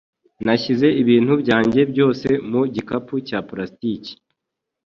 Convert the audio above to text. Nashyize ibintu byanjye byose mu gikapu cya plastiki.